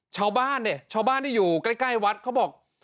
ชาวบ้านอยู่ใกล้วัดเขาบอก